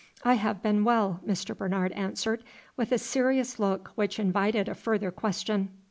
"I have been well," Mr. Bernard answered, with a serious look which invited a further question.